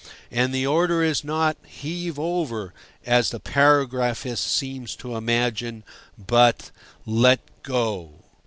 And the order is not "Heave over!" as the paragraphist seems to imagine, but "Let go!"